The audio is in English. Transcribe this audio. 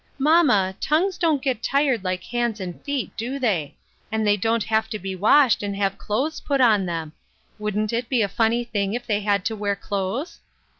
"Mamma, tongues don't get tired like hands and feet, do they ? And they don't have to be washed, and have clothes put on them. Wouldn't it be a funny thing if they had to wear clothes